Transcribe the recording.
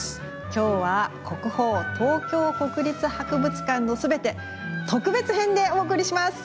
今日は「国宝東京国立博物館のすべて」特別編でお送りします！